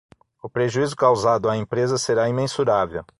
O prejuízo causado à empresa será imensurável